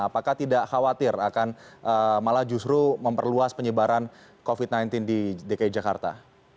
apakah tidak khawatir akan malah justru memperluas penyebaran covid sembilan belas di dki jakarta